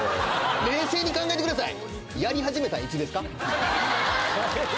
冷静に考えてください。